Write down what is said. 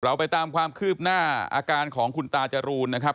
เราไปตามความคืบหน้าอาการของคุณตาจรูนนะครับ